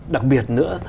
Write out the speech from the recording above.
đặc biệt nữa